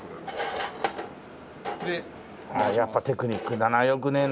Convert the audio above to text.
やっぱテクニックだな良くねえな。